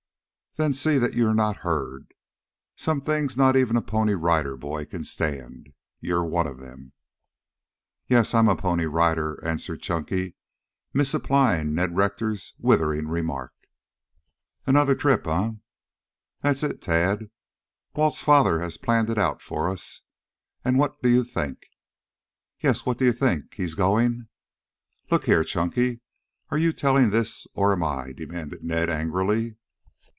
"Then see that you're not heard. Some things not even a Pony Rider boy can stand. You're one of them." "Yes, I'm a Pony Rider," answered Chunky, misapplying Ned Rector's withering remark. "Another trip, eh?" "That's it, Tad. Walt's father has planned it out for us. And what do you think?" "Yes, what d'ye think? He's going " "Look here, Chunky, are you telling this or am I?" demanded Ned angrily.